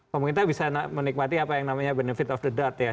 pemerintah bisa menikmati apa yang namanya benefit of the dart ya